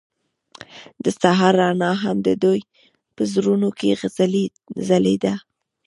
د سهار رڼا هم د دوی په زړونو کې ځلېده.